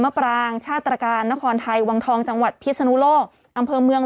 ปรางชาติตรการนครไทยวังทองจังหวัดพิศนุโลกอำเภอเมือง